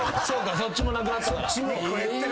そっちもなくなったから。